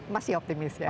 masih optimis ya